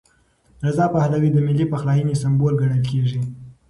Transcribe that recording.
رضا پهلوي د ملي پخلاینې سمبول ګڼل کېږي.